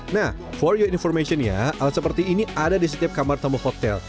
nah for your information nya alat seperti ini ada di setiap kamar tamu hotel